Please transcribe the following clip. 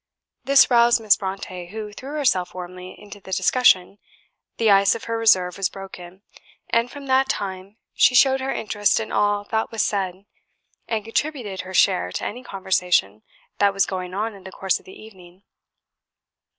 This roused Miss Brontë, who threw herself warmly into the discussion; the ice of her reserve was broken, and from that time she showed her interest in all that was said, and contributed her share to any conversation that was going on in the course of the evening.